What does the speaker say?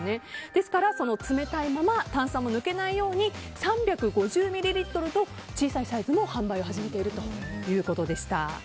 ですから冷たいまま炭酸も抜けないように３５０ミリリットルの小さいサイズも販売を始めているということでした。